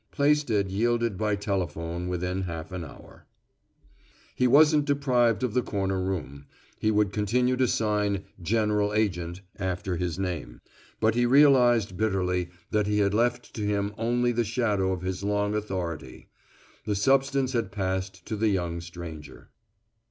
Plaisted yielded by telephone within half an hour. He wasn't deprived of the corner room; he would continue to sign General Agent after his name. But he realized bitterly that he had left to him only the shadow of his long authority. The substance had passed to the young stranger.